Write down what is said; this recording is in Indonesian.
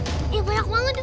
yang banyak banget tuh